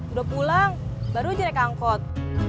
udah pulang baru jadi kangkot